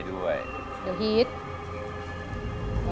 สวัสดีครับ